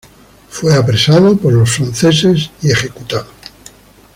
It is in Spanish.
Fue apresado por los franceses y ejecutado.